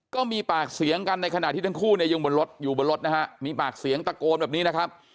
ก็มีปากเสียงกันในขณะที่ทั้งคู่เนี่ยยังบนรถอยู่บนรถนะฮะมีปากเสียงตะโกนแบบนี้นะครับ